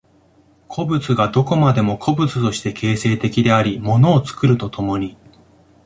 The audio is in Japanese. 個物がどこまでも個物として形成的であり物を作ると共に、